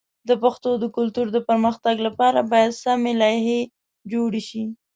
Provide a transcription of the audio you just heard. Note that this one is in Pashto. د پښتو د کلتور د پرمختګ لپاره باید سمی لایحې جوړ شي.